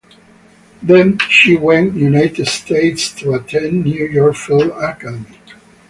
Then she went United States to attend New York Film Academy.